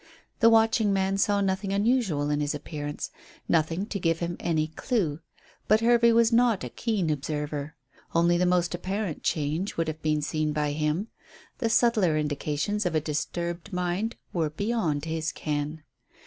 The watching man saw nothing unusual in his appearance, nothing to give him any clue; but Hervey was not a keen observer. Only the most apparent change would have been seen by him; the subtler indications of a disturbed mind were beyond his ken.